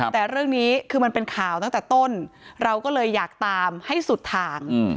แต่เรื่องนี้คือมันเป็นข่าวตั้งแต่ต้นเราก็เลยอยากตามให้สุดทาง